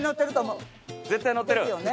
絶対載ってる？